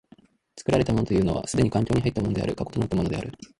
作られたものというのは既に環境に入ったものである、過去となったものである。